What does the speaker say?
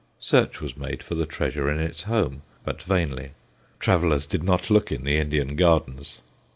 Search was made for the treasure in its home, but vainly; travellers did not look in the Indian gardens.